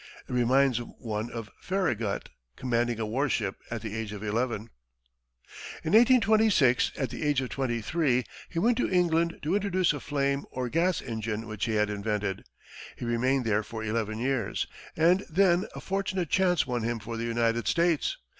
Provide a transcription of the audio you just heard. It reminds one of Farragut commanding a war ship, at the age of eleven. In 1826, at the age of twenty three, he went to England to introduce a flame or gas engine which he had invented. He remained there for eleven years, and then a fortunate chance won him for the United States.